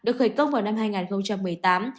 được khởi công vào năm hai nghìn một mươi tám